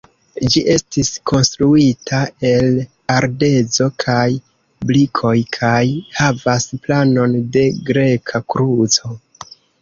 Ĝi estis konstruita el ardezo kaj brikoj kaj havas planon de greka kruco.